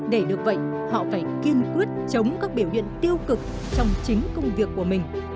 để được vậy họ phải kiên quyết chống các biểu hiện tiêu cực trong chính công việc của mình